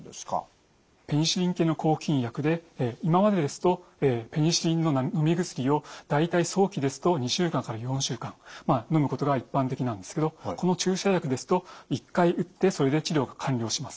ペニシリン系の抗菌薬で今までですとペニシリンののみ薬を大体早期ですと２週間から４週間のむことが一般的なんですけどこの注射薬ですと１回うってそれで治療が完了します。